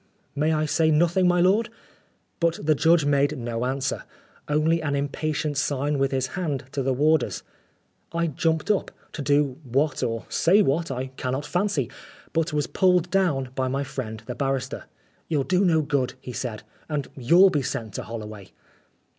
May I say nothing, my lord? But the judge made no answer only an impatient sign with his hand to the warders. I jumped up, to do what or say what I cannot fancy, but was pulled down by my friend the barrister. " You'll do no good," he said, "and you'll be sent to Holloway."